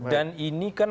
dan ini kan